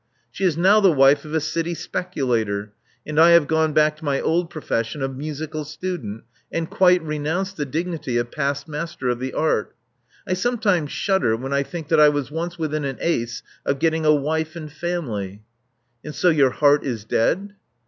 She is now the wife of a city speculator; and I have gone back to my old profession of musical student, and quite renounced the dignity of past master of the art. I sometimes shudder when I think that I was once within an ace of getting a wife and family. '' And so your heart is dead?"